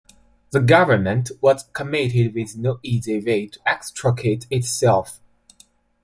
The government was committed with no easy way to extricate itself.